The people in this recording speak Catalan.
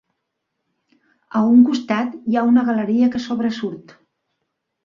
A un costat hi ha una galeria que sobresurt.